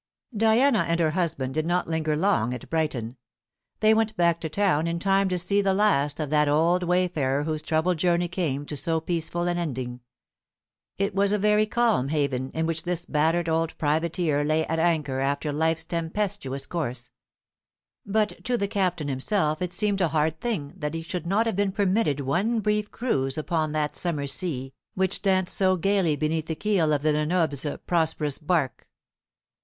Diana and her husband did not linger long at Brighton; they went back to town in time to see the last of that old wayfarer whose troubled journey came to so peaceful an ending. It was a very calm haven in which this battered old privateer lay at anchor after life's tempestuous course; but to the Captain himself it seemed a hard thing that he should not have been permitted one brief cruise upon that summer sea which danced so gaily beneath the keel of the Lenobles' prosperous bark.